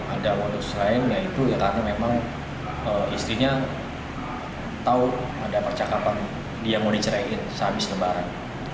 ada waktu saya ya itu ya tadi memang istrinya tahu ada percakapan dia mau diceraikan sehabis lebaran